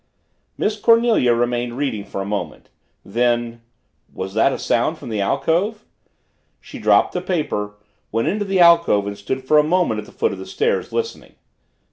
Miss Cornelia remained reading for a moment. Then was that a sound from the alcove? She dropped the paper, went into the alcove and stood for a moment at the foot of the stairs, listening.